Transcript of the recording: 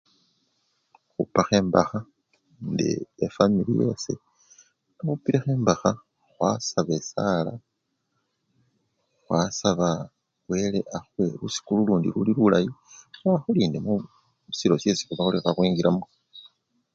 Ikhupakho embakha nende efwamili yase, nekhupileko embakha, khwasaba esala, khwasaba wele akhuwe lusiku lulundi luli lulayi ate akhulinde silo syesi khuli khekhwingilamo.